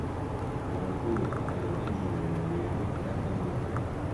La natura e l'origine degli alieni resta un mistero.